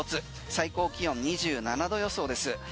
最高気温２７度予想です。